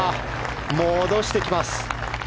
戻してきます。